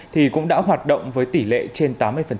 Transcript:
thì cũng đã hoạt động với tỷ lệ trên tám mươi